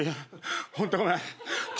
ホントごめん岸。